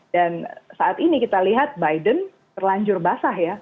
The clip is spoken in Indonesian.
dan saat ini kita lihat biden terlanjur basah ya